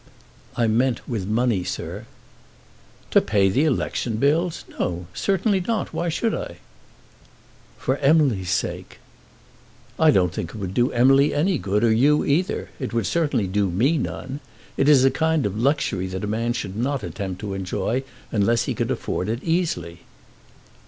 "I meant with money, sir." "To pay the election bills! No; certainly not. Why should I?" "For Emily's sake." "I don't think it would do Emily any good, or you either. It would certainly do me none. It is a kind of luxury that a man should not attempt to enjoy unless he can afford it easily."